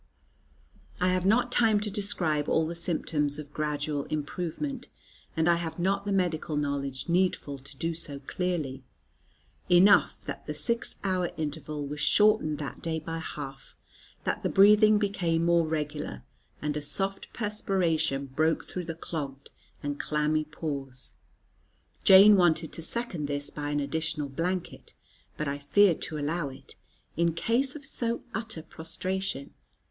I have not time to describe all the symptoms of gradual improvement, and I have not the medical knowledge needful to do so clearly. Enough that the six hour interval was shortened that day by half, that the breathing became more regular, and a soft perspiration broke through the clogged and clammy pores. Jane wanted to second this by an additional blanket, but I feared to allow it in a case of so utter prostration.